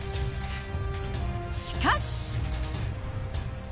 しかし。